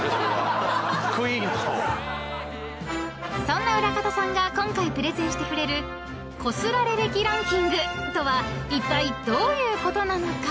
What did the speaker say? ［そんな裏方さんが今回プレゼンしてくれるこすられ歴ランキングとはいったいどういうことなのか？］